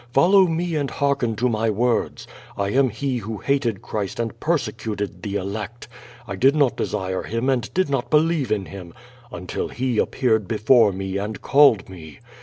Follow me and hearken to my words. I am he who hated Christ and persecuted the elect. I did not desire Him and did not believe in Him, un til He appeartnl before me and called me.